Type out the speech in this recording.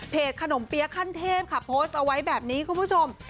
ขนมเปี๊ยะขั้นเทพค่ะโพสต์เอาไว้แบบนี้คุณผู้ชม